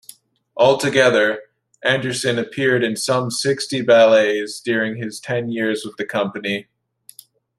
Altogether, Andersen appeared in some sixty ballets during his ten years with the company.